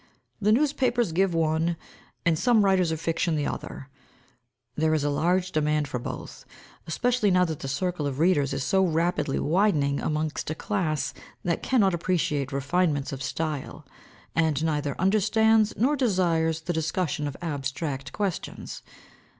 The newspapers give one, and some writers of fiction the other; there is a large demand for both, especially now that the circle of readers is so rapidly widening amongst a class that cannot appreciate refinements of style, and neither understands nor desires the discussion of abstract questions.